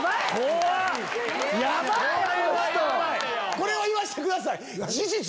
これは言わしてください。